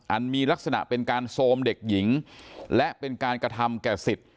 มีลักษณะเป็นการโทรมเด็กหญิงและเป็นการกระทำแก่สิทธิ์